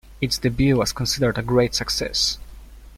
Its debut was considered a great success.